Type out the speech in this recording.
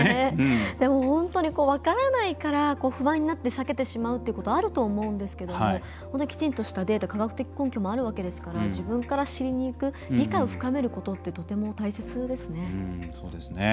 でも本当に分からないから不安になって避けてしまうということあると思うんですけどきちんとしたデータ科学的根拠もあるわけですから自分から知りにいく理解を深めることってとても大切ですね。